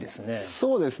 そうですね